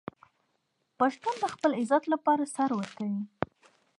پښتون د خپل عزت لپاره سر ورکوي.